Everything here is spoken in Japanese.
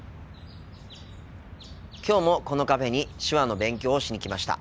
きょうもこのカフェに手話の勉強をしに来ました。